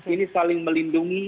ini saling melindungi